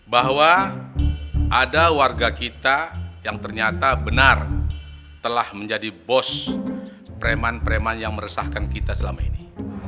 bahwa ada warga kita yang ternyata benar telah menjadi bos preman preman yang meresahkan kita selama ini